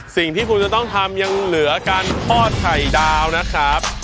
สิ่งที่คุณจะต้องทำยังเหลือการทอดไข่ดาวนะครับ